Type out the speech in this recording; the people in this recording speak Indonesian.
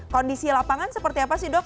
kondisi lapangan seperti apa sih dok